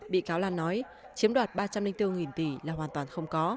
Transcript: bị cáo lan nói chiếm đoạt ba trăm linh bốn tỷ là hoàn toàn không có